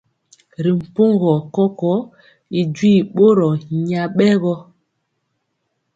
Ri mpogɔ koko y duii bɔro nyabɛgɔ.